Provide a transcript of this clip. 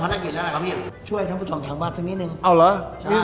ได้ยินแล้วนะครับพี่ช่วยท่านผู้ชมทางบ้านสักนิดนึงเอาเหรอนี่